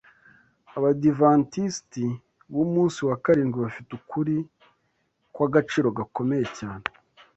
Abadiventisti b’Umunsi wa Karindwi bafite ukuri kw’agaciro gakomeye cyane